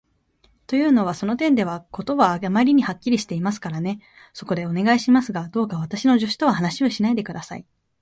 というのは、その点では事はあまりにはっきりしていますからね。そこで、お願いしますが、どうか私の助手とは話をしないで下さい。